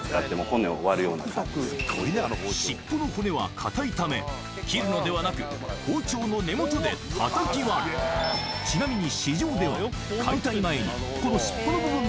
尻尾の骨は硬いため切るのではなく包丁の根元でたたき割るちなみにお。